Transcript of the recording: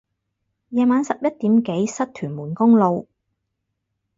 夜晚十一點幾塞屯門公路